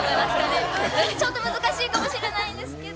ちょっと難しいかもしれないんですけど。